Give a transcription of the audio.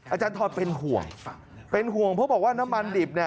อาจารย์ทรอนเป็นห่วงเพราะบอกว่าน้ำมันดิบ